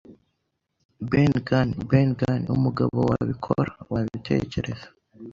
shyira ibyiringiro byawe muri Ben Gunn - Ben Gunn umugabo wabikora. Wabitekereza